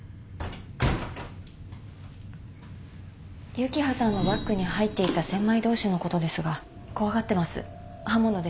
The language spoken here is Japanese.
幸葉さんのバッグに入っていた千枚通しのことですが怖がってます刃物ですし。